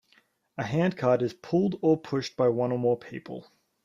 A "handcart" is pulled or pushed by one or more people.